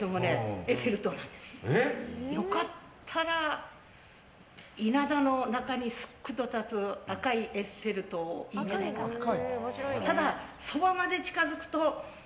よかったら稲田の中にすっくと立つ赤いエッフェル塔いいんじゃないかなと。